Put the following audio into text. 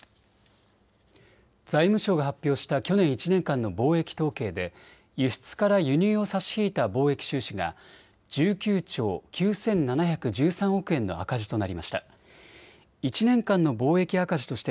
財務省が発表した去年１年間の貿易統計で輸出から輸入を差し引いた貿易収支が１９兆９７１３億円の赤字となりました。